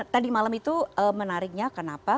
tadi malam itu menariknya kenapa